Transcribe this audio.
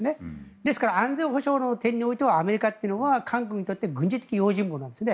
ですから安全保障の点においてはアメリカというのは韓国にとって軍事的用心棒なんですね。